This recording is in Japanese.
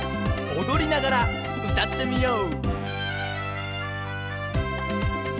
おどりながらうたってみよう！